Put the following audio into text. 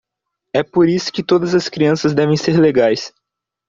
É por isso que todas as crianças devem ser legais.